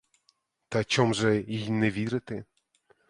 Та чом же й не вірити?